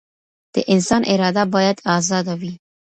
د انسان اراده بايد ازاده وي.